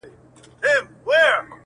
خاوري دي ژوند سه، دا دی ارمان دی.